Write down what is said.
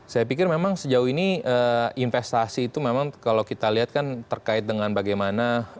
saya pikir memang sejauh ini investasi itu memang kalau kita lihat kan terkait dengan bagaimana